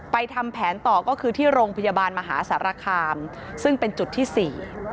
ทำแผนต่อก็คือที่โรงพยาบาลมหาสารคามซึ่งเป็นจุดที่สี่